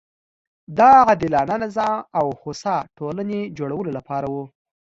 دا د عادلانه نظام او هوسا ټولنې جوړولو لپاره وه.